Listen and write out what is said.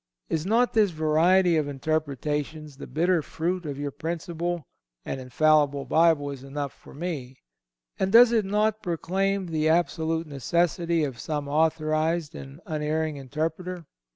Is not this variety of interpretations the bitter fruit of your principle: "An infallible Bible is enough for me," and does it not proclaim the absolute necessity of some authorized and unerring interpreter?